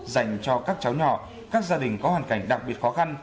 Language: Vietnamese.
dành cho các cháu nhỏ các gia đình có hoàn cảnh đặc biệt khó khăn